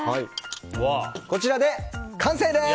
こちらで完成です！